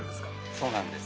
そうなんです。